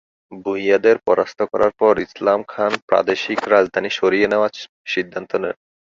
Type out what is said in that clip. ভূঁইয়াদের পরাস্ত করার পর ইসলাম খান প্রাদেশিক রাজধানী সরিয়ে নেওয়া সিদ্ধান্ত নেন।